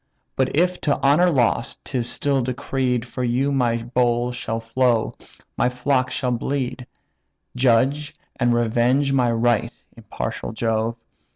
But if, to honour lost, 'tis still decreed For you my bowl shall flow, my flock shall bleed; Judge and revenge my right, impartial Jove!